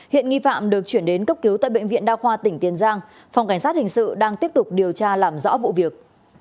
hiện nghi phạm được chuyển đến cấp cứu tại bệnh viện đa khoa tỉnh tiền giang phòng cảnh sát hình sự đang tiếp tục điều tra làm rõ vụ việc